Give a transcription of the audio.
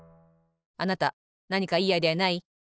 あなたなにかいいアイデアない？